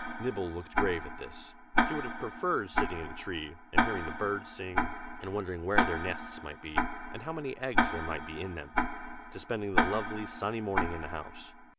Nibble looked grave at this. He would have preferred sitting in a tree, and hearing the birds sing, and wondering where their nests might be, and how many eggs there might be in them, to spending the lovely, sunny morning in the house.